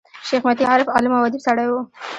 شېخ متي عارف، عالم او اديب سړی وو.